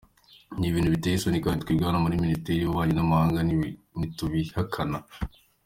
N’ibintu biteye isoni, kandi twebwe hano muri Minisiteri y’Ububanyi n’Amahanga ntitubihakana.